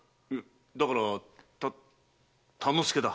だからた田之助だ。